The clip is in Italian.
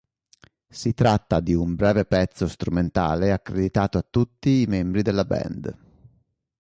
Si tratta di un breve pezzo strumentale accreditato a tutti i membri della band.